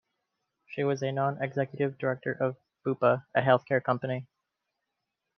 She was a non-executive director of Bupa, a healthcare company.